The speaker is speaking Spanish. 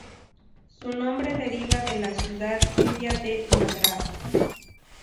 Su nombre deriva de la ciudad India de Madrás.